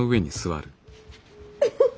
フフフフ。